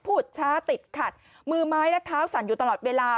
พูดช้าติดขัดมือไม้และเท้าสั่นอยู่ตลอดเวลา